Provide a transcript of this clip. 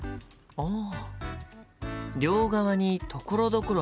ああ。